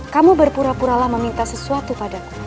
kamu berpura puralah meminta sesuatu padaku